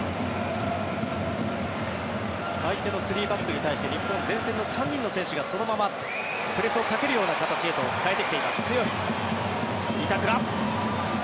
相手の３バックに対して日本は前線の３人の選手がそのままプレスをかけるような形へと変わってきています。